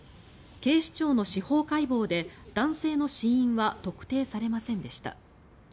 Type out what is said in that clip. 警視庁の司法解剖で男性の死因は特定されませんでした。